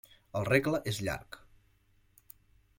El regle és llarg.